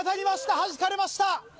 はじかれました！